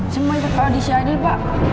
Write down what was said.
semua ikut audisi adil pak